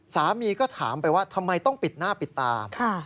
สามีก็ถามไปว่าทำไมต้องปิดหน้าปิดตา